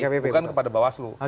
bukan kepada bawaslu